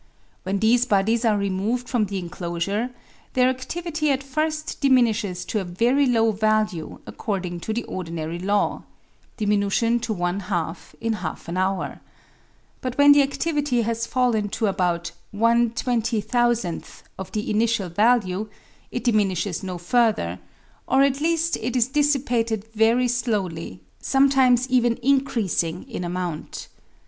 When these bodies are removed from the enclosure their adivity at first diminishes to a very low value according to the ordinary law (diminution to one half in half an hour) ; but when the adivity has fallen to about 1/20,000 of the initial value, it diminishes no further, or at least it is dissipated very slowly, sometimes even increasing in amount.